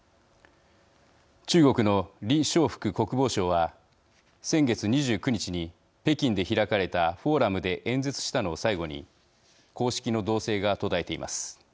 中国の李尚福国防相は先月２９日に北京で開かれたフォーラムで演説したのを最後に公式の動静が途絶えています。